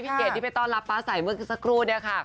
พี่เกดที่ไปต้อนรับป้าใส่เมื่อกี้สักครู่นี้ค่ะ